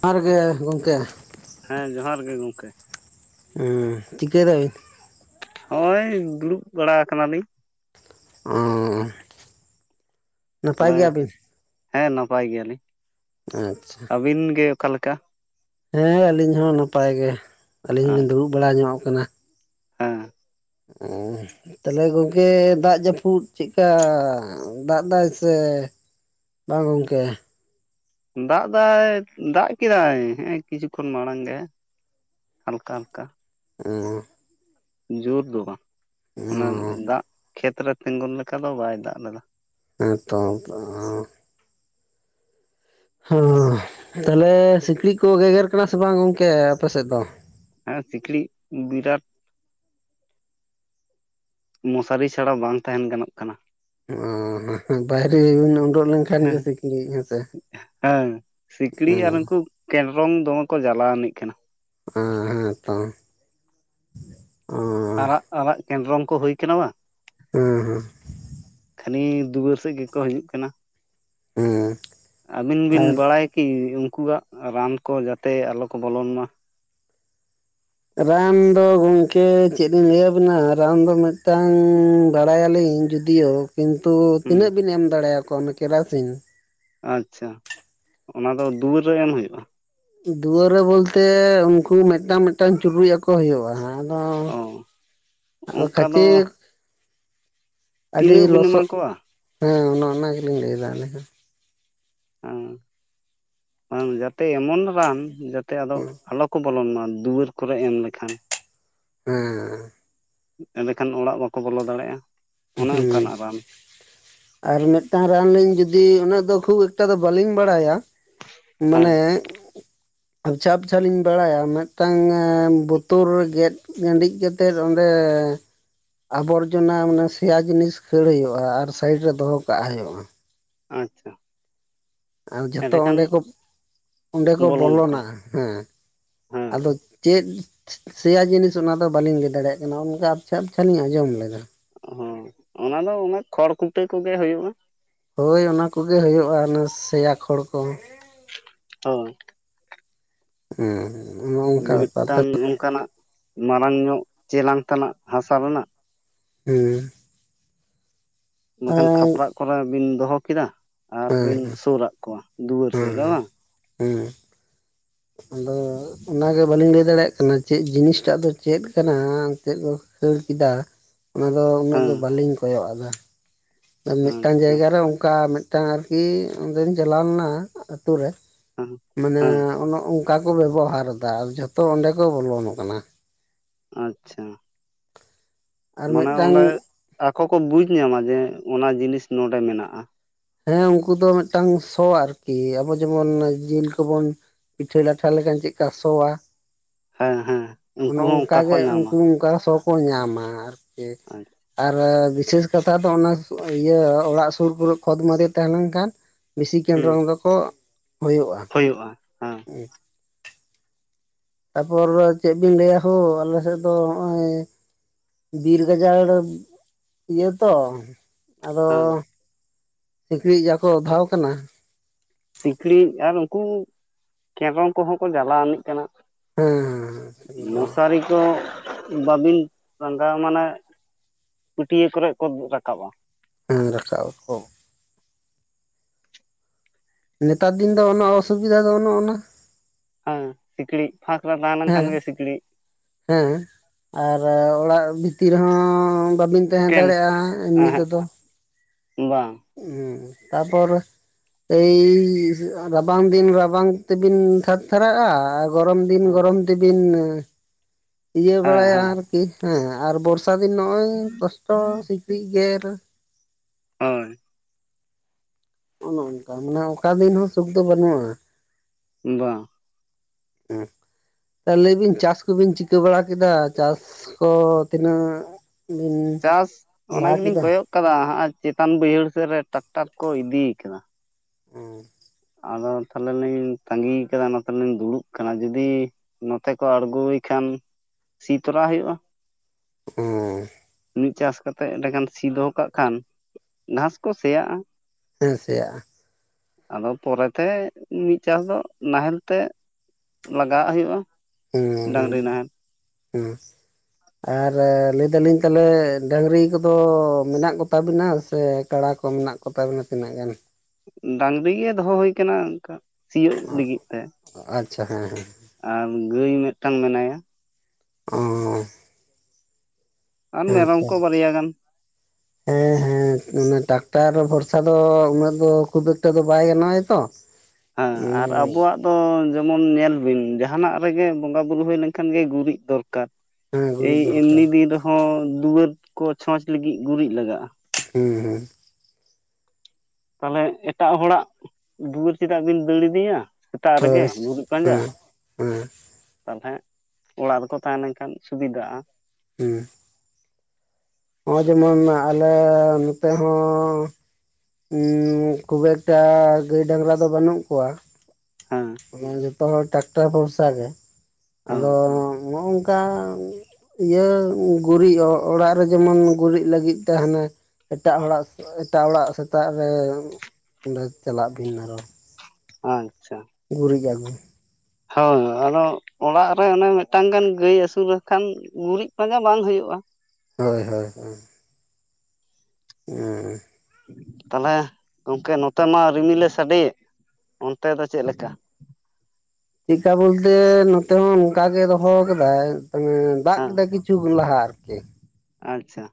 ᱡᱟᱦᱟᱨ ᱜᱮ ᱜᱚᱝᱠᱮ᱾ ᱦᱮᱸ ᱡᱚᱦᱟᱨ ᱜᱮ ᱜᱚᱢᱠᱮ᱾ ᱦᱩᱸ ᱪᱤᱠᱟᱹᱭ ᱫᱟᱵᱤᱱ? ᱦᱚᱜ-ᱚᱭ ᱫᱩᱲᱩᱵ ᱵᱟᱲᱟ ᱟᱠᱟᱱᱟᱞᱤᱧ᱾ ᱚᱸᱻ ᱛᱟᱦᱚᱞᱮ ᱦᱮᱸ ᱱᱟᱯᱟᱭ ᱜᱮᱭᱟᱞᱤᱧ᱾ ᱟᱪᱪᱷᱟ ᱾ ᱟᱹᱵᱤᱱ ᱜᱮ ᱚᱠᱟ ᱞᱮᱠᱟ? ᱦᱮᱸ ᱟᱹᱞᱤᱧ ᱦᱚᱸ ᱱᱟᱯᱟᱭ ᱜᱮ ᱟᱹᱞᱤᱧ ᱦᱚᱞᱤᱧ ᱟᱨ ᱫᱩᱲᱩᱵ ᱵᱟᱲᱟ ᱧᱚᱜ ᱟᱠᱟᱱᱟ᱾ ᱦᱮᱸ ᱾ ᱚᱸᱻ ᱛᱟᱦᱚᱞᱮ ᱜᱚᱝᱠᱮ ᱫᱟᱜ ᱡᱟᱹᱯᱩᱫ ᱪᱮᱫᱠᱟ ᱫᱟᱜ ᱫᱟᱭ ᱥᱮ ᱵᱟᱝ ᱜᱚᱢᱠᱮ? ᱫᱟᱜ ᱫᱟᱭ ᱫᱟᱜ ᱠᱮᱫᱟᱭ ᱦᱮᱸᱜ-ᱮ ᱠᱤᱪᱷᱩ ᱠᱷᱚᱱ ᱢᱟᱲᱟᱝ ᱜᱮ ᱾ ᱦᱟᱞᱠᱟ ᱦᱟᱞᱠᱟ ᱾ ᱚᱸᱻ ᱡᱳᱨ ᱫᱚ ᱵᱟᱝ ᱚ ᱚᱱᱟ ᱫᱟᱜ ᱠᱷᱮᱛ ᱨᱮ ᱛᱤᱸᱜᱩᱱ ᱞᱮᱠᱟ ᱫᱚ ᱵᱟᱭ ᱫᱟᱜ ᱞᱮᱫᱟ ᱾ ᱦᱮᱸᱛᱚ ᱾ ᱦᱮᱸ ᱛᱟᱦᱚᱞᱮ ᱥᱤᱠᱲᱤᱡ ᱠᱚ ᱜᱮᱜᱮᱨ ᱠᱟᱱᱟ ᱥᱮ ᱵᱟᱝ ᱜᱚᱝᱠᱮ ᱟᱯᱮ ᱥᱮᱫ ᱫᱚ? ᱦᱮᱸ ᱥᱤᱠᱲᱤᱡ ᱵᱤᱨᱟᱴ ᱢᱚᱥᱟᱨᱤ ᱪᱷᱟᱲᱟ ᱵᱟᱝ ᱛᱟᱦᱮᱱ ᱜᱟᱱᱚᱜ ᱠᱟᱱᱟ ᱾ ᱚ ᱵᱟᱦᱨᱮ ᱵᱤᱱ ᱚᱰᱚᱜ ᱞᱮᱱᱠᱷᱟᱱ ᱦᱮᱸ ᱜᱮ ᱥᱤᱠᱲᱤᱡ ᱦᱮᱸᱥᱮ ᱦᱮᱸ ᱥᱤᱠᱲᱤᱡ ᱟᱨ ᱦᱮᱸ ᱩᱱᱠᱩ ᱠᱮᱰᱨᱚᱝ ᱫᱚᱢᱮ ᱠᱚ ᱡᱟᱞᱟᱣᱟᱱᱤᱡ ᱠᱟᱱᱟ᱾ ᱦᱮᱸᱛᱚ ᱚᱸᱻ ᱟᱨᱟᱜ ᱟᱨᱟᱜ ᱠᱮᱱᱰᱨᱚᱝ ᱠᱚ ᱦᱩᱭ ᱟᱠᱟᱱᱟ ᱵᱟᱝ᱾ ᱦᱩᱸ ᱦᱩᱸ᱾ ᱠᱷᱟᱹᱱᱤ ᱫᱩᱣᱟᱹᱨ ᱥᱮᱫ ᱜᱮᱠᱚ ᱦᱤᱡᱩᱜ ᱠᱟᱱᱟ ᱦᱮᱸ ᱟᱹᱵᱤᱱ ᱵᱤᱱ ᱵᱟᱲᱟᱭ ᱠᱤ ᱩᱱᱠᱩᱣᱟᱜ ᱨᱟᱱ ᱠᱚ ᱡᱟᱛᱮ ᱟᱞᱚ ᱠᱚ ᱵᱚᱞᱚᱱ ᱢᱟ ᱾ ᱨᱟᱱ ᱫᱚ ᱜᱚᱝᱠᱮ ᱪᱮᱫ ᱞᱤᱧ ᱞᱟᱹᱭ ᱟᱹᱵᱤᱱᱟ ᱨᱟᱱ ᱫᱚ ᱢᱤᱫᱴᱟᱹᱝ ᱵᱟᱲᱟᱭᱟᱞᱤᱧ ᱡᱩ ᱫᱤᱭᱳ ᱠᱤᱱᱛᱩ ᱦᱩᱸ ᱛᱤᱱᱟᱹᱜ ᱵᱤᱱ ᱮᱢ ᱫᱟᱲᱮ ᱟᱠᱚᱣᱟ ᱚᱱᱟ ᱠᱮᱨᱟᱥᱤᱱ ᱾ ᱟᱪᱪᱷᱟ ᱚᱱᱟ ᱫᱚ ᱫᱩᱣᱟᱹᱨ ᱨᱮ ᱮᱢ ᱦᱩᱭᱩᱜ-ᱟ ᱾ ᱫᱩᱣᱟᱹᱨ ᱨᱮ ᱵᱚᱞᱛᱮ ᱩᱱᱠᱩ ᱢᱤᱫᱴᱟᱹᱝ ᱢᱤᱫᱴᱟᱹᱝ ᱪᱩᱨᱩᱡ ᱟᱠᱚ ᱦᱩᱭᱩᱜ-ᱟ ᱾ ᱚᱸ ᱚ ᱚᱱᱠᱟ ᱫᱚ [unintelligible] ᱟᱹᱰᱤ ᱛᱤᱱᱟᱹᱜ ᱵᱤᱱ ᱮᱢᱟ ᱞᱚᱥᱚᱜ ᱠᱚᱣᱟ ᱦᱮᱸ ᱚᱱᱮ ᱚᱱᱟ ᱜᱮᱞᱤᱧ ᱞᱟᱹᱭ ᱮᱫᱟ ᱟᱹᱞᱤᱧ ᱦᱚᱸ ᱾ ᱦᱮᱸ ᱡᱟᱛᱮ ᱮᱢᱚᱱ ᱨᱟᱱ ᱡᱟᱛᱮ ᱟᱫᱚ ᱟᱞᱚ ᱠᱚ ᱵᱚᱞᱚᱱ ᱢᱟ ᱫᱩᱣᱟᱹᱨ ᱠᱚᱨᱮ ᱮᱢ ᱞᱮᱠᱷᱟᱱ ᱾ ᱦᱮᱸ ᱾ ᱮᱸᱰᱮ ᱠᱷᱟᱱ ᱚᱲᱟᱜ ᱵᱟᱠᱚ ᱵᱚᱞᱚ ᱫᱟᱲᱮᱭᱟᱜ-ᱟ ᱾ ᱦᱩᱸ ᱾ ᱟᱨ ᱢᱤᱫᱴᱟᱹᱝ ᱨᱟᱱ ᱞᱤᱧ ᱡᱩᱫᱤ ᱩᱱᱟᱹᱜ ᱫᱚ ᱠᱷᱩᱵ ᱮᱠᱴᱟ ᱫᱚ ᱵᱟᱹᱞᱤᱧ ᱵᱟᱲᱟᱭᱟ ᱾ ᱦᱮᱸ ᱢᱟᱱᱮ ᱟᱯᱪᱷᱟ ᱟᱯᱪᱷᱟ ᱞᱤᱧ ᱵᱟᱲᱟᱭᱟ ᱢᱤᱫᱴᱟᱹᱝ ᱵᱚᱛᱚᱞ ᱨᱮ ᱜᱮᱫ ᱜᱟᱹᱰᱤᱡ ᱠᱟᱛᱮᱫ ᱚᱸᱰᱮ ᱟᱵᱚᱨᱡᱚᱱᱟ ᱢᱟᱱᱮ ᱥᱮᱭᱟ ᱡᱤᱱᱤᱥ ᱠᱷᱟᱹᱲ ᱦᱩᱭᱩᱜ-ᱟ ᱟᱨ ᱥᱟᱭᱤᱰ ᱨᱮ ᱫᱚᱦᱚ ᱠᱟᱜ ᱦᱩᱭᱩᱜ-ᱟ ᱾ ᱟᱪᱪᱷᱟ ᱾ ᱟᱨ ᱡᱚᱛᱚ ᱚᱸᱰᱮ ᱠᱚ ᱚᱸᱰᱮ ᱠᱚ ᱵᱚᱞᱚᱱᱟᱠᱚ ᱵᱚᱞᱚᱱᱟ ᱦᱮᱸ ᱦᱮᱸ ᱟᱫᱚ ᱪᱮᱫ ᱥᱮᱭᱟ ᱡᱤᱱᱤᱥ ᱚᱱᱟᱫᱚ ᱵᱟᱹᱞᱤᱧ ᱞᱟᱹᱭ ᱫᱟᱲᱮᱭᱟᱜ ᱠᱟᱱᱟ ᱚᱱᱠᱟ ᱟᱯᱪᱷᱟ ᱟᱯᱪᱷᱟ ᱞᱤᱧ ᱟᱸᱡᱚᱢ ᱞᱮᱫᱟ ᱾ ᱚᱸ ᱚᱱᱟ ᱫᱚ ᱚᱱᱮ ᱠᱷᱚᱲ ᱠᱩᱴᱟᱹ ᱠᱚᱜᱮ ᱦᱩᱭᱩᱜ-ᱟ ᱾ ᱦᱳᱭ ᱚᱱᱟ ᱠᱚᱜᱮ ᱦᱩᱭᱩᱜ-ᱟ ᱚᱱᱟ ᱥᱮᱭᱟ ᱠᱷᱚᱲ ᱠᱚ᱾ ᱦᱳᱭ᱾ ᱦᱩᱸᱱᱚᱜ-ᱚᱝᱠᱟ ᱵᱮᱯᱟᱨ [inaudible] ᱢᱤᱢᱤᱫᱴᱟᱝ ᱚᱱᱠᱟᱱᱟᱜ ᱢᱟᱨᱟᱝ ᱧᱚᱜ ᱪᱮᱞᱟᱝ ᱛᱮᱱᱟᱜ ᱦᱟᱥᱟ ᱨᱮᱱᱟᱜ᱾ ᱦᱩᱸ᱾ ᱵᱟᱠᱷᱟᱱ ᱠᱷᱟᱯᱨᱟᱜ ᱠᱚᱨᱮ ᱵᱤᱱ ᱫᱚᱦᱚ ᱠᱮᱫᱟ ᱟᱨᱵᱤᱱ ᱦᱮᱸ ᱥᱳᱨᱟᱜ ᱠᱚᱣᱟ ᱫᱩᱣᱟᱹᱨ ᱥᱮᱫ ᱨᱮ ᱵᱟᱝ᱾ ᱦᱮᱸ ᱟᱫᱚ ᱚᱱᱟ ᱜᱮ ᱵᱟᱹᱞᱤᱧ ᱞᱟᱹᱭ ᱫᱟᱲᱮᱭᱟᱜ ᱠᱟᱱᱟ ᱪᱮᱜ ᱡᱤᱱᱤᱥᱴᱟᱜ ᱫᱚ ᱪᱮᱫ ᱠᱟᱱᱟ [inaudible] ᱠᱷᱟᱹᱲ ᱠᱮᱫᱟ ᱚᱱᱟᱫᱚ ᱩᱱᱟᱹᱜ ᱦᱮᱸ ᱫᱚ ᱵᱟᱹᱞᱤᱧ ᱠᱚᱭᱚᱜ ᱟᱫᱟ᱾ ᱢᱤᱫᱴᱟᱝ ᱟᱪᱪᱷᱟ ᱡᱟᱭᱜᱟ ᱨᱮ ᱚᱱᱠᱟ ᱢᱤᱫᱴᱟᱝ ᱟᱨᱠᱤ ᱚᱸᱰᱮᱧ ᱪᱟᱞᱟᱣ ᱞᱮᱱᱟ ᱟᱹᱛᱩ ᱨᱮ᱾ ᱦᱮᱸ ᱢᱟᱱᱮ ᱦᱮᱸ ᱚᱱᱚ ᱚᱱᱠᱟ ᱠᱚ ᱵᱮᱵᱚᱦᱟᱨ ᱫᱟ ᱟᱨ ᱡᱷᱚᱛᱚ ᱚᱸᱰᱮ ᱠᱚ ᱵᱚᱞᱚᱱ ᱠᱟᱱᱟ᱾ ᱟᱪᱪᱷᱟ᱾ ᱟᱨ ᱢᱟᱱᱮ ᱢᱤᱫᱴᱟᱝ ᱚᱸᱰᱮ ᱟᱠᱚ ᱠᱚ ᱵᱩᱡᱽ ᱧᱟᱢᱟ ᱡᱮ ᱚᱱᱟ ᱡᱤᱱᱤᱥ ᱱᱚᱸᱰᱮ ᱢᱮᱱᱟᱜ-ᱟ᱾ ᱦᱮᱸ ᱩᱱᱠᱩ ᱫᱚ ᱢᱤᱫᱴᱟᱝ ᱥᱚ ᱟᱨᱠᱤ ᱟᱵᱚ ᱡᱮᱢᱚᱱ ᱡᱤᱞ ᱠᱚᱵᱚᱱ ᱯᱤᱴᱷᱟᱹ ᱞᱟᱴᱷᱟ ᱞᱮᱠᱷᱟᱱ ᱪᱮᱜ ᱠᱟ ᱥᱚᱣᱟ᱾ ᱦᱮᱸ ᱦᱮᱸ ᱚᱱᱮ ᱩᱱᱠᱩ ᱦᱚᱸ ᱚᱱᱠᱟ ᱠᱚ ᱜᱮ ᱧᱟᱢᱟ ᱩᱱᱠᱩ ᱚᱝᱠᱟ ᱥᱚ ᱠᱚ ᱧᱟᱢᱟ ᱟᱨᱠᱤ ᱟᱨ ᱵᱤᱥᱮᱥ ᱠᱟᱛᱷᱟ ᱫᱚ ᱚᱱᱟ ᱤᱭᱟᱹ ᱚᱲᱟᱜ ᱥᱩᱨ ᱠᱚᱨᱮᱜ ᱠᱷᱚᱛ ᱢᱟᱫᱮ ᱛᱟᱦᱮᱸ ᱞᱮᱱᱠᱷᱟᱱ ᱵᱮᱥᱤ ᱠᱮᱱᱰᱨᱚᱝ ᱫᱚᱠᱚ ᱦᱩᱭᱩᱜ-ᱟ᱾ ᱦᱩᱭᱩᱜ-ᱟ ᱦᱮᱸ᱾ [inaudible] ᱛᱟᱯᱚᱨ ᱪᱮᱫ ᱵᱤᱱ ᱞᱟᱹᱭᱟ ᱦᱳ ᱟᱞᱮ ᱥᱮᱜ ᱫᱚ ᱦᱚᱸᱜ-ᱚᱭ ᱵᱤᱨ ᱜᱟᱡᱟᱲ ᱤᱭᱟᱹ ᱛᱚ, ᱟᱫᱚ ᱦᱮᱸ ᱥᱤᱠᱲᱤᱡ ᱡᱟ ᱠᱚ ᱚᱫᱷᱟᱣ ᱠᱟᱱᱟ᱾ ᱥᱤᱠᱲᱤᱡ ᱟᱨ ᱩᱱᱠᱩ ᱠᱮᱱᱰᱨᱚᱝ ᱠᱚᱦᱚᱸ ᱠᱚ ᱡᱟᱞᱟᱣ ᱟᱱᱤᱡ ᱠᱟᱱᱟ᱾ ᱦᱮᱸ ᱦᱮᱸ ᱢᱚᱥᱟᱨᱤ ᱠᱚ ᱵᱟᱵᱤᱱ ᱴᱟᱸᱜᱟᱣ ᱢᱟᱱᱮ ᱯᱟᱹᱴᱭᱟᱹ ᱠᱚᱨᱮᱜ ᱠᱚ ᱨᱟᱠᱟᱵ-ᱟ᱾ ᱦᱮᱸ ᱨᱟᱠᱟᱵ ᱟᱠᱚ᱾ ᱱᱮᱛᱟᱨ ᱫᱤᱱ ᱫᱚ ᱚᱱᱟ ᱚᱥᱩᱵᱤᱫᱷᱟ ᱫᱚ ᱚᱱᱮ ᱚᱱᱟ᱾ ᱦᱮᱸ ᱥᱤᱠᱬᱤᱡ ᱯᱷᱟᱠ ᱨᱮ ᱛᱟᱦᱮᱸ ᱞᱮᱱᱠᱷᱟᱱ ᱦᱮᱸ ᱜᱮ ᱥᱤᱠᱬᱤᱡ᱾ ᱦᱮᱸ ᱟᱨ ᱚᱲᱟᱜ ᱵᱷᱤᱛᱤᱨ ᱨᱮᱦᱚᱸ ᱵᱟᱵᱤᱱ ᱛᱟᱦᱮᱸ ᱠᱮᱢ ᱫᱟᱲᱮᱭᱟᱜᱼᱟ ᱮᱢᱱᱤ ᱮᱸᱦᱮᱸᱜ ᱛᱮᱫᱚ᱾ ᱵᱟᱝ᱾ ᱦᱩᱸ ᱛᱟᱯᱚᱨ ᱮᱭ ᱨᱟᱵᱟᱝ ᱫᱤᱱ ᱨᱟᱵᱟᱝ ᱛᱮᱵᱤᱱ ᱛᱷᱟᱨ ᱛᱷᱟᱨᱟᱜ-ᱟ ᱟᱨ ᱜᱚᱨᱚᱢ ᱫᱤᱱ ᱦᱮᱸ ᱜᱚᱨᱚᱢ ᱛᱮᱵᱤᱱ ᱤᱭᱟᱹ ᱵᱟᱲᱟᱭᱟ ᱦᱮᱸ ᱟᱨᱠᱤ ᱦᱮᱸ ᱟᱨ ᱵᱚᱨ ᱥᱟ ᱫᱤᱱ ᱱᱚᱜ-ᱚᱭ ᱠᱚᱥᱴᱚ ᱥᱤᱠᱲᱤᱡ ᱜᱮᱨ᱾ ᱦᱳᱭ᱾ ᱚᱱᱮ ᱚᱱᱠᱟ ᱢᱟᱱᱮ ᱚᱠᱟ ᱫᱤᱱ ᱦᱚᱸ ᱥᱩᱠ ᱫᱚ ᱵᱟᱹᱱᱩᱜ-ᱟ᱾ ᱵᱟᱝ᱾ [inaudible] ᱮᱸ ᱞᱟᱹᱭ ᱵᱤᱱ ᱪᱟᱥ ᱠᱚᱵᱤᱱ ᱪᱤᱠᱟᱹ ᱵᱟᱲᱟ ᱠᱮᱫᱟ ᱪᱟᱥ ᱠᱚ ᱛᱤᱱᱟᱹᱜ? ᱵᱤᱱ ᱪᱟᱥ ᱚᱱᱟ ᱞᱟᱦᱟ ᱜᱮᱞᱤᱧ ᱠᱮᱫᱟ ᱠᱚᱭᱚᱜ ᱟᱠᱟᱫᱟ ᱦᱟᱸᱜ-ᱟᱭ ᱪᱮᱛᱟᱱ ᱵᱟᱹᱭᱦᱟᱹᱲ ᱥᱮᱫ ᱨᱮ ᱴᱨᱟᱠᱴᱟᱨ ᱠᱚ ᱤᱫᱤ ᱠᱟᱫᱟ᱾ ᱚ᱾ ᱟᱫᱚ ᱛᱟᱦᱚᱞᱮ ᱞᱤᱧ ᱛᱟᱸᱜᱤ ᱠᱟᱫᱟ ᱚᱱᱟ ᱛᱮᱞᱤᱧ ᱫᱩᱲᱩᱵ ᱠᱟᱱᱟ ᱡᱩᱫᱤ ᱱᱚᱛᱮ ᱠᱚ ᱟᱬᱜᱚᱭ ᱠᱷᱟᱱ ᱥᱤ ᱛᱚᱨᱟ ᱦᱩᱭᱩᱜ-ᱟ᱾ [unintelligible] ᱢᱤᱫ ᱪᱟᱥ ᱠᱟᱛᱮᱜ ᱮᱸᱰᱮᱠᱷᱟᱱ ᱥᱤ ᱫᱚᱦᱚ ᱠᱟᱜ ᱠᱷᱟᱱ ᱜᱷᱟᱸᱥ ᱠᱚ ᱥᱮᱭᱟᱜ-ᱟ᱾ ᱦᱮᱸ ᱥᱮᱭᱟᱜ-ᱟ᱾ ᱟᱫᱚ ᱯᱚᱨᱮ ᱛᱮ ᱢᱤᱫ ᱪᱟᱥ ᱫᱚ ᱱᱟᱦᱮᱞ ᱛᱮ ᱞᱟᱜᱟᱣᱟᱜ ᱦᱩᱭᱩᱜ-ᱟ᱾ ᱦᱩᱸ ᱦᱩᱸ ᱦᱩᱸ᱾ ᱟᱨ ᱞᱟᱹᱭ ᱫᱟᱞᱤᱧ ᱛᱟᱦᱚᱞᱮ ᱰᱟᱝᱨᱤ ᱠᱚᱫᱚ ᱢᱮᱱᱟᱜ ᱠᱚᱛᱟ ᱵᱤᱱᱟ ᱥᱮ ᱠᱟᱲᱟ ᱠᱚ ᱢᱮᱱᱟᱜ ᱠᱚᱛᱟ ᱵᱤᱱᱟ ᱛᱤᱱᱟᱹᱜ ᱜᱟᱱ? ᱰᱟᱝᱨᱤ ᱜᱮ ᱫᱚᱦᱚ ᱦᱩᱭᱠᱟᱱᱟ ᱚᱱᱠᱟ ᱥᱤᱭᱳᱜ ᱞᱟᱹᱜᱤᱫ ᱛᱮ᱾ ᱚ ᱟᱪᱪᱷᱟ ᱦᱮᱸ ᱦᱮᱸ᱾ ᱟᱨ ᱜᱟᱹᱭ ᱢᱤᱫᱴᱟᱝ ᱢᱮᱱᱟᱭᱟ᱾ ᱚ᱾ ᱟᱨ ᱦᱮᱸ ᱢᱮᱨᱚᱢ ᱛᱚ ᱠᱚ ᱵᱟᱨᱭᱟ ᱜᱟᱱ᱾ ᱦᱮᱸ ᱦᱮᱸ᱾ ᱢᱟᱱᱮ ᱴᱟᱠᱴᱟᱨ ᱵᱷᱚᱨᱥᱟ ᱫᱚ ᱩᱱᱟᱹᱜ ᱫᱚ ᱠᱷᱩᱵ ᱮᱠᱴᱟ ᱫᱚ ᱵᱟᱭ ᱜᱟᱱᱚ-ᱟᱭ ᱛᱚ᱾ ᱦᱮᱸ ᱟᱨ ᱟᱵᱚᱣᱟᱜ ᱫᱚ ᱡᱮᱢᱚᱱ ᱧᱮᱞ ᱵᱤᱱ ᱡᱟᱦᱟᱱᱟᱜ ᱨᱮᱜᱮ ᱵᱚᱸᱜᱟ ᱵᱩᱨᱩ ᱦᱩᱭ ᱞᱮᱱᱠᱷᱟᱱ ᱜᱮ ᱜᱩᱨᱤᱡ ᱫᱚᱨᱠᱟᱨ᱾ ᱦᱮᱸ ᱮᱭ ᱜᱩᱨᱤᱡ ᱮᱢᱱᱤ ᱫᱚᱨᱠᱟᱨ ᱫᱤᱱ ᱨᱮᱦᱚᱸ ᱫᱩᱣᱟᱹᱨ ᱠᱚ ᱪᱷᱚᱪ ᱞᱟᱹᱜᱤᱫ ᱜᱩᱨᱤᱡ ᱞᱟᱜᱟ-ᱟ᱾ ᱦᱮᱸ ᱦᱮᱸ᱾ ᱛᱟᱞᱦᱮ ᱮᱴᱟᱜ ᱦᱚᱲᱟᱜ ᱫᱩᱣᱟᱹᱨ ᱪᱮᱫᱟᱜ ᱵᱤᱱ ᱫᱟᱹᱲ ᱤᱫᱤᱭᱟ᱾ ᱥᱮᱛᱟᱜ ᱦᱳᱭ ᱨᱮᱜᱮ ᱜᱩᱨᱤᱡ ᱯᱟᱸᱡᱟ᱾ ᱦᱮᱸ ᱦᱮᱸ ᱛᱟᱞᱦᱮ ᱚᱲᱟᱜ ᱨᱮᱠᱚ ᱛᱟᱦᱮᱸ ᱞᱮᱱᱠᱷᱟᱱ ᱥᱩᱵᱤᱫᱜ-ᱟ᱾ ᱦᱩᱸ᱾ ᱦᱚᱸᱜ-ᱚᱭ ᱡᱮᱢᱚᱱ ᱟᱞᱮ ᱱᱚᱛᱮ ᱦᱚᱸ ᱩᱸ ᱠᱷᱩᱵ ᱮᱠᱴᱟ ᱜᱟᱹᱭ ᱰᱟᱝᱨᱟ ᱫᱚ ᱵᱟᱹᱱᱩᱜ ᱠᱚᱣᱟ᱾ ᱦᱮᱸ ᱛᱚ ᱦᱚᱲ ᱴᱨᱟᱠᱴᱚᱨ ᱵᱷᱚᱨᱥᱟ ᱜᱮ᱾ ᱦᱮᱸ ᱟᱫᱚ ᱱᱚ-ᱚᱝᱠᱟ ᱤᱭᱟᱹ ᱜᱩᱨᱤᱡ ᱚᱲᱟᱜ ᱨᱮ ᱡᱮᱢᱚᱱ ᱜᱩᱨᱤᱡ ᱞᱟᱹᱜᱤᱫ ᱛᱮ ᱦᱟᱱᱮ ᱮᱴᱟᱜ ᱦᱚᱲᱟᱜ ᱮᱴᱟᱜ ᱚᱲᱟᱜ ᱛᱟᱜ ᱨᱮ ᱚᱸᱰᱮ ᱪᱟᱞᱟᱜ ᱵᱤᱱ ᱟᱨᱚ᱾ ᱟᱪᱪᱷᱟ᱾ ᱜᱩᱨᱤᱡ ᱟᱹᱜᱩ᱾ ᱦᱳᱭ ᱟᱨᱚ ᱚᱲᱟᱜ ᱨᱮ ᱚᱱᱮ ᱢᱤᱫᱴᱟᱝ ᱜᱟᱱ ᱜᱟᱹᱭ ᱟᱥᱩᱞ ᱨᱮᱠᱷᱟᱱ ᱜᱩᱨᱤᱡ ᱯᱟᱸᱡᱟ ᱵᱟᱝ ᱦᱩᱭᱩᱜ-ᱟ᱾ ᱦᱳᱭ ᱦᱳᱭ ᱦᱳᱭ᱾ ᱦᱮᱸ᱾ ᱛᱟᱞᱦᱮ ᱜᱚᱝᱠᱮ ᱱᱚᱛᱮ ᱢᱟ ᱨᱤᱢᱤᱞᱮ ᱥᱟᱰᱮᱭᱮᱫ᱾ ᱚᱱᱛᱮ ᱫᱚ ᱪᱮᱫᱞᱮᱠᱟ? ᱪᱮᱫᱠᱟ ᱵᱚᱞᱛᱮ ᱱᱚᱛᱮ ᱦᱚᱸ ᱚᱱᱠᱟᱜᱮ ᱫᱚᱦᱚᱣ ᱟᱠᱟᱫᱟᱭ [unintelligible] ᱫᱟᱜ ᱦᱮᱸ ᱠᱮᱫᱟᱭ ᱠᱤᱪᱷᱩ ᱠᱷᱚᱱ ᱞᱟᱦᱟ ᱟᱨᱠᱤ᱾ ᱟᱪᱪᱷᱟ᱾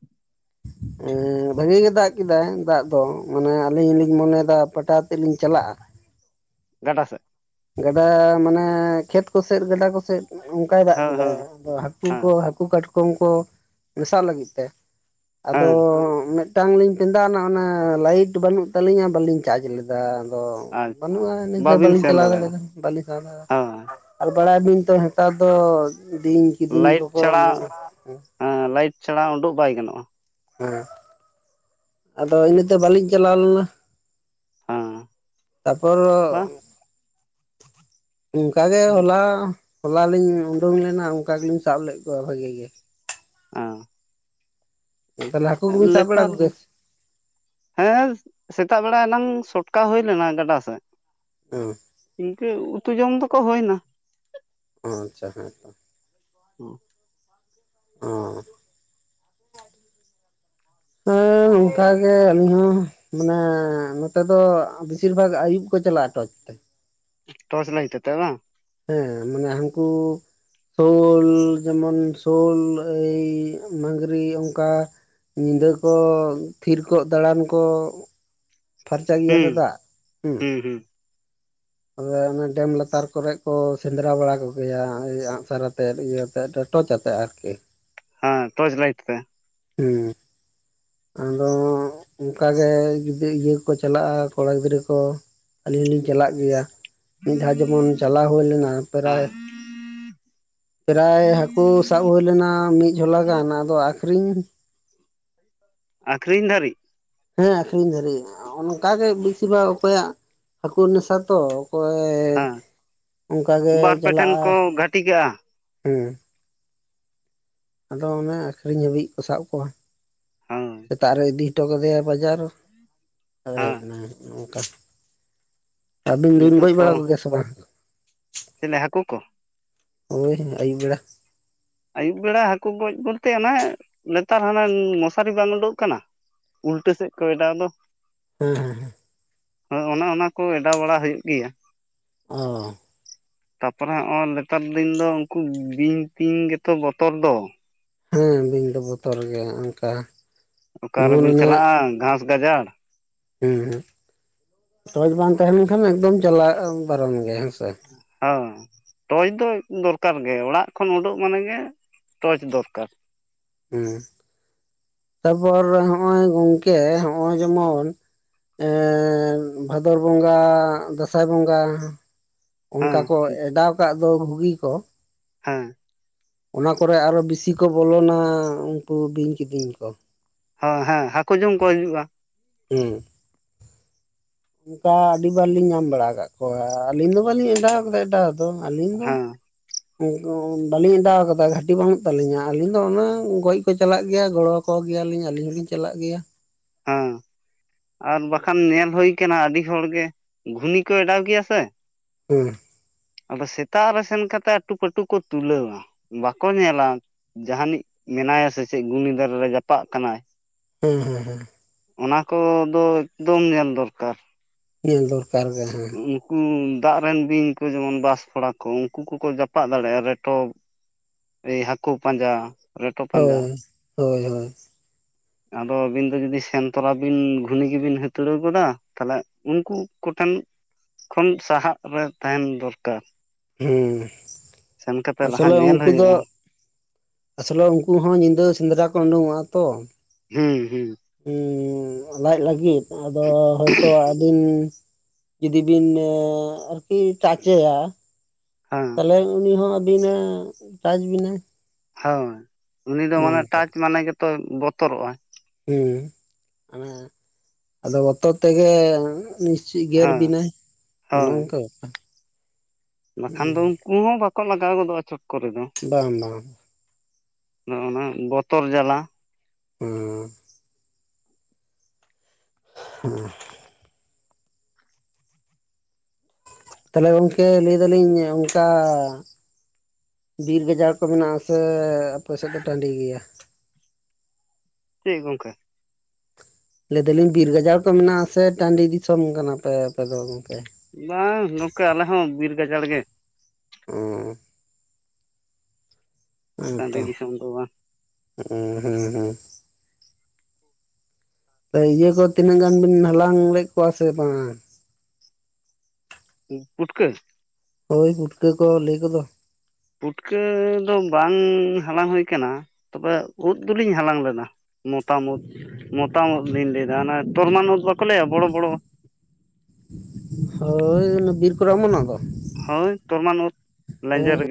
ᱮᱸ ᱵᱷᱟᱜᱮ ᱜᱮ ᱫᱟᱜ ᱠᱮᱫᱟᱭ ᱫᱟᱜ ᱫᱚ ᱢᱟᱱᱮ ᱟᱞᱤᱧ ᱞᱤᱧ ᱢᱚᱱᱮᱭᱮᱫᱟ ᱯᱟᱴᱟ ᱟᱛᱮᱞᱤᱧ ᱪᱟᱞᱟᱜᱼᱟ᱾ ᱜᱟᱰᱟ ᱥᱮᱫ᱾ ᱜᱟᱰᱟ ᱢᱟᱱᱮ ᱠᱷᱮᱛ ᱠᱚ ᱥᱮᱫ, ᱜᱟᱰᱟ ᱠᱚ ᱥᱮᱫ ᱚᱱᱠᱟᱭ ᱫᱟᱜ ᱦᱮᱸ ᱠᱮᱫᱟᱭ ᱦᱮᱸ ᱟᱫᱚ ᱦᱠᱩ ᱠᱩ ᱠᱚ ᱦᱮᱸ ᱦᱟᱹᱠᱩ ᱠᱟᱴᱠᱚᱢ ᱠᱚ ᱢᱮᱥᱟᱜ ᱞᱟᱹᱜᱤᱫ ᱛᱮ ᱟᱫᱚ ᱦᱮᱸ ᱢᱮᱫ ᱴᱟᱝ ᱞᱤᱧ ᱯᱮᱸᱫᱟᱣᱱᱟ ᱚᱱᱟ ᱞᱟᱭᱤᱴ ᱵᱟᱹᱱᱩᱜ ᱛᱟᱹᱞᱤᱧᱟ ᱵᱟᱹᱞᱤᱧ ᱪᱟᱨᱡ ᱞᱮᱫᱟ ᱟᱫᱚ ᱟᱨ ᱵᱟᱹᱱᱩᱜᱼᱟ᱾ [unintelligible] ᱵᱟᱵᱤᱱ ᱵᱟᱹᱞᱤᱧ ᱥᱮᱱ ᱪᱟᱞᱟᱣ ᱫᱟᱲᱮᱭᱟᱫᱟ, ᱵᱟᱞᱤᱧ ᱥᱟᱸᱦᱚᱥ ᱞᱮᱫᱟ᱾ ᱦᱳᱭ ᱟᱨ ᱵᱟᱲᱟᱭ ᱟᱵᱤᱱ ᱛᱚ ᱦᱮᱛᱟᱨ ᱫᱚ ᱵᱤᱧ ᱠᱤᱫᱤᱧ ᱞᱟᱭᱤᱴ ᱠᱚᱠᱚ ᱪᱷᱟᱲᱟ ᱩᱵᱩᱝᱚᱜ-ᱟ ᱾ ᱦᱮᱸ ᱞᱟᱭᱤᱴ ᱪᱷᱟᱲᱟ ᱩᱰᱩᱜ ᱵᱟᱭ ᱜᱟᱱᱚᱜ-ᱟ᱾ ᱦᱮᱸ [inaudible] ᱟᱫᱚ ᱤᱱᱟᱹᱛᱮ ᱵᱟᱹᱞᱤᱧ ᱪᱟᱞᱟᱣ ᱞᱮᱱᱟ᱾ ᱦᱮᱸ [inaudible] ᱛᱟᱨᱯᱚᱨ ᱵᱟ [inaudible] ᱚᱱᱠᱟᱜᱮ ᱦᱚᱞᱟ ᱦᱚᱞᱟᱞᱤᱧ ᱩᱰᱩᱝ ᱞᱮᱱᱟ ᱚᱱᱠᱟ ᱜᱮᱞᱤᱧ ᱥᱟᱵ ᱞᱮᱫ ᱠᱚᱣᱟ ᱵᱷᱟᱜᱤ ᱜᱮ᱾ [unintelligible] ᱛᱟᱦᱚᱞᱮ ᱦᱟᱠᱩ ᱠᱚᱵᱮᱱ ᱥᱟᱵ ᱵᱟᱲᱟ ᱱᱮᱛᱟᱨ ᱠᱚᱜᱮ ᱦᱮᱸ ᱥᱮᱛᱟᱜ ᱵᱮᱲᱟ ᱮᱱᱟᱝ ᱥᱚᱴᱠᱟ ᱦᱩᱭ ᱞᱮᱱᱟ ᱜᱟᱰᱟ ᱥᱮᱫ ᱾ [inaudible] ᱤᱱᱠᱟᱹ ᱩᱛᱩ ᱡᱚᱢ ᱫᱚᱠᱚ ᱦᱩᱭ ᱮᱱᱟ᱾ ᱟᱪᱪᱷᱟ ᱦᱮᱸ᱾ [inaudible] ᱦᱮᱸ ᱚᱱᱠᱟᱜᱮ ᱟᱞᱤᱧ ᱦᱚᱸ᱾ ᱢᱟᱱᱮ ᱱᱚᱛᱮ ᱫᱚ ᱵᱮᱥᱤᱨ ᱵᱷᱟᱜ ᱟᱭᱩᱵ ᱠᱚ ᱪᱟᱞᱟᱜ-ᱟ ᱛᱚ ᱾ ᱴᱚᱨᱪ ᱞᱟᱭᱤᱴ ᱟᱛᱮ ᱵᱟᱝ? ᱦᱮᱸ ᱢᱟᱱᱮ ᱦᱟᱱᱠᱩ ᱥᱳᱞ ᱡᱮᱢᱚᱱ ᱥᱳᱞ ᱮ ᱢᱟᱹᱜᱽᱨᱤ ᱚᱱᱠᱟ᱾ ᱧᱤᱫᱟᱹ ᱠᱚ ᱛᱷᱤᱨ ᱠᱚᱜ ᱫᱟᱲᱟᱱ ᱠᱚ᱾ ᱯᱷᱚᱨᱪᱟ ᱜᱮᱭᱟ ᱛᱚ ᱦᱩᱸ ᱫᱟᱜ ᱦᱩᱸ᱾ [inaudible] ᱛᱚᱵᱮ ᱚᱱᱮ ᱰᱮᱢ ᱞᱟᱛᱟᱨ ᱠᱚᱨᱮ ᱠᱚ ᱥᱮᱸᱫᱽᱨᱟ ᱵᱟᱲᱟ ᱠᱚᱜᱮᱭᱟ ᱟᱸᱜᱥᱟᱨ ᱟᱛᱮᱫ ᱤᱭᱟᱹᱛᱮ᱾ ᱴᱚᱪ ᱟᱛᱮ ᱟᱨᱠᱤ᱾ ᱦᱮᱸ ᱴᱚᱪ ᱞᱟᱭᱤᱴ ᱛᱮ᱾ ᱦᱮᱸ᱾ ᱟᱫᱚ ᱚᱱᱠᱟ ᱜᱮ ᱡᱩᱫᱤ ᱤᱭᱟᱹ ᱠᱚ ᱪᱟᱞᱟᱜ-ᱟ ᱠᱚᱲᱟ ᱜᱤᱫᱽᱨᱟᱹ ᱠᱚ ᱟᱹᱞᱤᱧ ᱦᱚᱞᱤᱧ ᱪᱟᱞᱟᱜ ᱜᱮᱭᱟ ᱾ [inaudible] ᱢᱤᱫ ᱫᱷᱟᱣ ᱡᱮᱢᱚᱱ ᱪᱟᱞᱟᱣ ᱦᱩᱭ ᱞᱮᱱᱟ ᱯᱮᱨᱟᱭ ᱦᱮᱸ [inaudible] [inaudible] ᱯᱨᱟᱭ ᱦᱟᱹᱠᱩ ᱥᱟᱵ ᱦᱩᱭ ᱞᱮᱱᱟ ᱢᱤᱫ ᱡᱷᱚᱞᱟ ᱜᱟᱱ ᱟᱫᱚ ᱟᱠᱷᱨᱤᱧ ᱟᱠᱷᱨᱤᱧ ᱫᱷᱟᱹᱨᱤᱡ? ᱦᱮᱸ ᱟᱠᱷᱨᱤᱧ ᱫᱟᱹᱨᱤᱡ ᱚᱱᱠᱟ ᱜᱮ ᱵᱤᱥᱤᱨ ᱵᱷᱟᱜ ᱚᱠᱚᱭᱟᱜ [inaudible] ᱦᱟᱹᱠᱩ ᱱᱮᱥᱟ ᱛᱚ᱾ ᱚᱠᱚᱭ ᱦᱮᱸ [inaudible] ᱚᱱᱠᱟ ᱜᱮ ᱵᱟᱨ ᱯᱮ ᱴᱷᱮᱱ ᱪᱟᱞᱟᱜ-ᱟ ᱠᱚ ᱜᱷᱟᱹᱴᱤ ᱠᱟᱜᱼᱟ [inaudible] ᱦᱮᱸ᱾ ᱟᱫᱚ ᱚᱱᱮ ᱟᱠᱷᱨᱤᱧ ᱦᱟᱹᱵᱤᱡ ᱠᱚ ᱥᱟᱵ ᱠᱚᱣᱟ ᱾ ᱦᱳᱭ [inaudible] ᱥᱮᱛᱟᱜ ᱨᱮ ᱤᱫᱤ ᱠᱟᱫᱮᱭᱟᱭ ᱵᱟᱡᱟᱨ [inaudible] ᱦᱳᱭ ᱦᱮᱡ ᱦᱮᱸ ᱮᱱᱟᱭ ᱱᱚᱝᱠᱟ᱾ ᱟᱹᱵᱤᱱ ᱫᱚᱵᱤᱱ ᱱᱤᱛᱚᱜ ᱜᱚᱡ ᱛᱚ ᱵᱟᱲᱟ ᱠᱚᱜᱮᱭᱟ ᱥᱮ ᱵᱟᱝ? [inaudible] ᱪᱮᱞᱮ ᱦᱟᱹᱠᱩ ᱠᱚ? ᱦᱳᱭ ᱟᱹᱭᱩᱵ ᱵᱮᱲᱟ᱾ ᱟᱹᱭᱩᱵ ᱵᱮᱲᱟ ᱦᱟᱹᱠᱩ ᱜᱚᱡ ᱵᱚᱞᱛᱮ ᱚᱱᱟ ᱱᱮᱛᱟᱨ ᱦᱟᱱᱟ ᱢᱚᱥᱟᱨᱤ ᱵᱟᱝ ᱩᱰᱩᱠ ᱠᱟᱱᱟ ᱩᱞᱴᱟᱹ ᱥᱮᱫ ᱠᱚ ᱮᱰᱟᱣ ᱫᱚ ᱾ ᱦᱮᱸ ᱦᱮᱸ ᱦᱮᱸ᱾ ᱦᱳᱭ ᱚᱱᱮ ᱚᱱᱟ ᱠᱚ ᱮᱰᱟᱣ ᱵᱟᱲᱟ ᱦᱩᱭᱩᱜ ᱜᱮᱭᱟ ᱾ ᱚ-ᱦᱚ ᱾ ᱛᱟᱯᱚᱨᱮ ᱦᱚᱸᱜ-ᱚᱭ ᱱᱮᱛᱟᱨ ᱫᱤᱱ ᱫᱚ ᱩᱱᱠᱩ ᱵᱤᱧ ᱴᱤᱧ ᱜᱮᱛᱚ ᱵᱚᱛᱚᱨ ᱫᱚ ᱾ ᱦᱮᱸ ᱵᱤᱧ ᱫᱚ ᱵᱚᱛᱚᱨ ᱜᱮ ᱚᱱᱠᱟ ᱚᱠ ᱡᱮᱢᱚᱱ ᱨᱮᱵᱤᱱ ᱚᱱᱮ ᱪᱟᱞᱟᱜ-ᱟ ᱜᱷᱟᱥ ᱜᱟᱡᱟᱲ ᱦᱮᱸ ᱦᱮᱸ ᱾ [inaudible] ᱴᱚᱪ ᱵᱟᱝ ᱛᱟᱦᱮᱸ ᱞᱮᱱᱠᱷᱟᱱ ᱮᱠᱫᱚᱢ ᱪᱟᱞᱟᱜ ᱵᱟᱨᱚᱱ ᱜᱮᱭᱟ ᱦᱮᱸᱥᱮ ᱾ [unintelligible] ᱴᱚᱪ ᱫᱚ ᱫᱚᱨᱠᱟᱨ ᱜᱮ ᱚᱲᱟᱜ ᱠᱷᱚᱱ ᱩᱰᱩᱜ ᱢᱟᱱᱮ ᱜᱮ [inaudible] ᱴᱚᱪ ᱫᱚᱨᱠᱟᱨ ᱾ ᱦᱮᱸ ᱾ ᱛᱟᱯᱚᱨ ᱦᱚᱜᱼᱚᱭ ᱜᱚᱝᱠᱮ ᱦᱚᱜᱼᱚᱭ ᱡᱮᱢᱚᱱ ᱮᱻ ᱵᱷᱟᱫᱚᱨ ᱵᱚᱸᱜᱟ ᱫᱟᱸᱥᱟᱭ ᱵᱚᱸᱜᱟ ᱚᱱᱠᱟ ᱦᱮᱸ ᱠᱚ ᱚᱰᱟᱣ ᱠᱟᱜ ᱫᱚ ᱵᱩᱜᱤ ᱠᱚ ᱾ ᱦᱮᱸ ᱾ ᱚᱱᱟ ᱠᱚᱨᱮ ᱟᱨᱦᱚᱸ ᱵᱮᱥᱤ ᱠᱚ ᱵᱚᱞᱚᱱᱟ ᱩᱱᱠᱩ ᱵᱤᱧ ᱠᱤᱫᱤᱧ ᱠᱚ ᱾ ᱦᱚᱭ ᱦᱮᱸ ᱦᱟᱹᱠᱩ ᱡᱚᱢ ᱠᱚ ᱦᱤᱡᱩᱜᱼᱟ ᱾ ᱦᱩᱸ ᱾ ᱚᱱᱠᱟ ᱟᱹᱰᱤᱵᱟᱨ ᱞᱤᱧ ᱧᱟᱢ ᱵᱟᱲᱟ ᱟᱠᱟᱫ ᱠᱚᱣᱟ ᱟᱹᱞᱤᱧ ᱫᱚ ᱵᱟᱹᱞᱤᱧ ᱚᱰᱟᱣ ᱟᱠᱟᱫᱟ ᱮᱴᱟᱜᱟᱜ ᱾ ᱟᱫᱚ ᱟᱹᱞᱤᱧ ᱫᱚ ᱦᱮᱸ [unintelligible] ᱵᱟᱹᱞᱤᱧ ᱚᱰᱟᱣ ᱟᱠᱟᱫᱟ ᱜᱷᱟᱴᱤ ᱵᱟᱹᱱᱩᱜ ᱛᱟᱹᱞᱤᱧᱟ ᱟᱹᱞᱤᱧ ᱫᱚ ᱚᱱᱟ ᱜᱚᱡ ᱠᱚ ᱪᱟᱞᱟᱜ ᱜᱮᱭᱟ ᱜᱚᱲᱚ ᱠᱚ ᱜᱮᱭᱟᱞᱤᱧ ᱟᱹᱞᱤᱧ ᱦᱚᱞᱤᱧ ᱪᱟᱞᱟᱜ ᱜᱮᱭᱟ ᱾ ᱦᱮᱸ ᱟᱨ ᱵᱟᱠᱷᱟᱱ ᱧᱮᱞ ᱦᱩᱭ ᱟᱠᱟᱱᱟ ᱟᱹᱰᱤ ᱦᱚᱲ ᱜᱮ ᱜᱷᱩᱱᱤ ᱠᱚ ᱚᱰᱟᱣ ᱜᱮᱭᱟ ᱥᱮ ᱾ ᱦᱮᱸ ᱾ ᱟᱫᱚ ᱥᱮᱛᱟᱜ ᱨᱮ ᱥᱮᱱ ᱠᱟᱛᱮ ᱟᱹᱴᱩ ᱯᱟᱹᱴᱩ ᱠᱚ ᱛᱩᱞᱟᱹᱣᱟ ᱵᱟᱠᱚ ᱧᱮᱞᱟ ᱾ ᱡᱟᱦᱟᱱᱤᱡ ᱢᱮᱱᱟᱭᱟ ᱥᱮ ᱪᱮᱫ ᱜᱩᱱᱤᱫᱟᱨᱮ ᱨᱮ ᱡᱟᱯᱟᱜ ᱠᱟᱱᱟᱭ ᱾ ᱦᱮᱸ ᱦᱮᱸ ᱦᱩᱸ ᱾ ᱚᱱᱟ ᱠᱚᱫᱚ ᱮᱠᱫᱚᱢ ᱧᱮᱞ ᱫᱚᱨᱠᱟᱨ ᱾ ᱧᱮᱞ ᱫᱚᱨᱠᱟᱨ ᱜᱮ ᱦᱮᱸ ᱾ ᱩᱱᱠᱩ ᱫᱟᱜ ᱨᱮᱱ ᱵᱤᱧ ᱠᱚ ᱡᱮᱢᱚᱱ ᱵᱟᱥ ᱯᱷᱚᱲᱟ ᱠᱚ ᱩᱱᱠᱩ ᱠᱚᱠᱚ ᱡᱟᱯᱟᱜ ᱫᱟᱲᱮᱭᱟᱜᱼᱟ ᱨᱮᱴᱚ ᱮᱭ ᱦᱟᱹᱠᱩ ᱯᱟᱸᱡᱟ ᱨᱮᱴᱚ ᱯᱟᱸᱡᱟ ᱦᱳᱭ ᱾ ᱦᱳᱭ ᱦᱳᱭ ᱟᱫᱚ ᱟᱹᱵᱤᱱ ᱫᱚ ᱡᱩᱫᱤ ᱥᱮᱱ ᱛᱚᱨᱟ ᱵᱤᱱ ᱜᱷᱩᱱᱤ ᱜᱮᱵᱤᱱ ᱦᱟᱹᱛᱲᱟᱹᱣ ᱜᱚᱫᱟ ᱛᱟᱦᱚᱞᱮ ᱩᱱᱠᱩ ᱠᱚᱴᱷᱮᱱ ᱠᱷᱚᱱ ᱥᱟᱦᱟᱜ ᱨᱮ ᱛᱟᱦᱮᱱ ᱫᱚᱨᱠᱟᱨ ᱾ ᱦᱮᱸ, ᱞᱟᱦᱟ ᱟᱥᱚᱞᱮ ᱧᱮᱞ ᱩᱱᱠᱩ ᱫᱚ ᱦᱩᱭᱩᱜᱼᱟ ᱟᱥᱚᱞᱮ ᱩᱱᱠᱩ ᱦᱚᱸ ᱧᱤᱫᱟᱹ ᱥᱮᱸᱫᱽᱨᱟ ᱠᱚ ᱩᱰᱩᱝᱚᱜᱼᱟ ᱛᱚ ᱾ ᱦᱮᱸ ᱦᱩᱸ ᱾ ᱦᱩᱸ ᱞᱟᱡ ᱞᱟᱹᱜᱤᱫ ᱟᱫᱚ ᱦᱚᱳᱭᱛᱳ ᱟᱹᱵᱤᱱ ᱡᱩᱫᱤ ᱵᱤᱱ ᱟᱨᱠᱤ ᱪᱟᱪᱮᱭᱟ ᱦᱮᱸ ᱛᱟᱦᱚᱞᱮ ᱩᱱᱤ ᱦᱚᱸ ᱟᱹᱵᱤᱱ ᱮ ᱴᱟᱪ ᱵᱤᱱᱟ᱾ ᱦᱳᱭ ᱩᱱᱤ ᱫᱚ ᱢᱟᱱᱮ ᱚᱱᱠᱟ ᱴᱟᱪ ᱢᱟᱱᱮ ᱜᱮᱛᱚ ᱵᱚᱛᱚᱨᱚᱜᱼᱟ ᱾ ᱦᱩᱸ ᱦᱮᱸ ᱢᱟᱱᱮ ᱟᱫᱚ ᱵᱚᱛᱚᱨ ᱛᱮᱜᱮ ᱪᱮᱫ ᱜᱮᱨ ᱦᱮᱸ ᱵᱤᱱᱟᱭ, ᱚᱱᱮ ᱦᱳᱭ ᱚᱱᱠᱟ ᱵᱟᱠᱷᱟᱱ ᱫᱚ ᱵᱮᱯᱟᱨ᱾ ᱩᱱᱠᱩ ᱦᱚᱸ ᱵᱟᱠᱚ ᱞᱟᱜᱟᱣ ᱜᱚᱫᱚᱜᱼᱟ ᱪᱚᱠ ᱠᱚᱨᱮ ᱫᱚ ᱾ ᱵᱟᱝ ᱵᱟᱝ ᱾ ᱟᱫᱚ ᱚᱱᱟ ᱵᱚᱛᱚᱨ ᱡᱟᱞᱟ ᱾ ᱦᱩᱸ ᱾ ᱦᱩᱸ ᱾ ᱛᱟᱦᱞᱮ ᱜᱚᱝᱠᱮ ᱞᱟᱹᱭ ᱫᱟᱞᱤᱧ ᱚᱱᱠᱟ ᱵᱤᱨ ᱜᱟᱡᱟᱲ ᱠᱚ ᱢᱮᱱᱟᱜᱼᱟ ᱥᱮ ᱟᱯᱮ ᱥᱮᱫ ᱫᱚ ᱴᱟᱺᱰᱤ ᱜᱮᱭᱟ? ᱪᱮᱫ ᱜᱚᱝᱠᱮ? ᱞᱟᱹᱭᱮᱫᱟᱞᱤᱧ ᱵᱤᱨ ᱜᱟᱡᱟᱲ ᱠᱚ ᱢᱮᱱᱟᱜᱼᱟ ᱥᱮ ᱴᱟᱺᱰᱤ ᱫᱤᱥᱚᱢ ᱠᱟᱱᱟᱯᱮ ᱟᱯᱮ ᱫᱚ ᱜᱚᱝᱠᱮ? ᱵᱟᱝ ᱱᱚᱝᱠᱟ ᱟᱞᱮ ᱦᱚᱸ ᱵᱤᱨ ᱜᱟᱡᱟᱲ ᱜᱮ ᱾ ᱚᱸᱻ ᱴᱟᱺᱰᱤ ᱦᱮᱸᱛᱚ ᱫᱤᱥᱚᱢ ᱫᱚ ᱵᱟᱝ ᱦᱮᱸ ᱦᱮᱸ ᱾ ᱤᱭᱟᱹ ᱠᱚ ᱛᱤᱱᱟᱹᱜ ᱜᱟᱱ ᱵᱤᱱ ᱦᱟᱞᱟᱝ ᱟᱜᱩ ᱞᱮᱜ ᱠᱚᱣᱟ ᱥᱮ ᱵᱟᱝ ᱯᱩᱴᱠᱟᱹ? ᱦᱳᱭ ᱯᱩᱴᱠᱟᱹ ᱠᱚ ᱞᱟᱹᱭ ᱠᱚᱫᱚ᱾ ᱯᱩᱴᱠᱟᱹ ᱫᱚ ᱵᱟᱝ ᱦᱟᱞᱟᱝ ᱦᱩᱭ ᱠᱟᱱᱟ ᱛᱚᱵᱮ ᱩᱫ ᱫᱚᱞᱤᱧ ᱦᱟᱞᱟᱝ ᱞᱮᱫᱟ᱾ ᱢᱚᱛᱟᱢ ᱩᱫ ᱢᱚᱛᱟᱢ ᱩᱫ ᱞᱤᱧ ᱞᱟᱹᱭᱮᱫᱟ ᱚᱱᱟ ᱛᱚᱨᱢᱟᱱ ᱩᱫ ᱵᱟᱠᱚ ᱞᱟᱹᱭᱟ ᱵᱚᱲᱚ ᱵᱚᱲᱚ᱾ ᱦᱳᱭ ᱚᱱᱟ ᱵᱤᱨ ᱠᱚᱨᱮ ᱚᱢᱚᱱᱚᱜ ᱫᱚ? ᱦᱳᱭ ᱛᱚᱨᱢᱟᱱ ᱩᱫ ᱦᱮᱸ ᱞᱮᱧᱡᱮᱨ ᱜᱮ᱾